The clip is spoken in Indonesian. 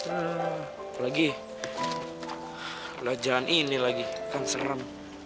apalagi udah jalan ini lagi kan serem